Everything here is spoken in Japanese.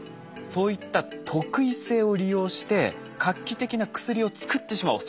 そういった特異性を利用して画期的な薬を作ってしまおう。